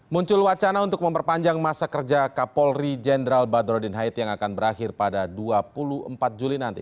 muncul wacana untuk memperpanjang masa kerja kapolri jenderal badrodin hait yang akan berakhir pada dua puluh empat juli nanti